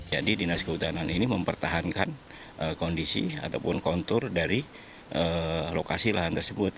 dinas kehutanan ini mempertahankan kondisi ataupun kontur dari lokasi lahan tersebut